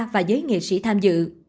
và giới nghệ sĩ tham dự